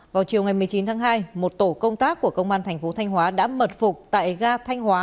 vào chiều một mươi chín tháng hai một tổ công tác của công an tp thanh hóa đã mật phục tại ga thanh hóa